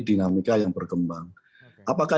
dinamika yang berkembang apakah